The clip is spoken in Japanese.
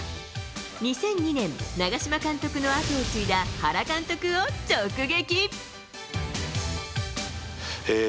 ２００２年、長嶋監督の跡を継いだ原監督を直撃。